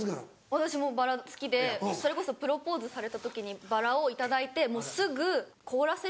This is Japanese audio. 私もバラ好きでそれこそプロポーズされた時にバラを頂いてすぐ凍らせる？